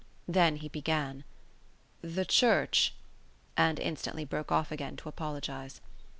Then he began: "The church," and instantly broke off again to apologise.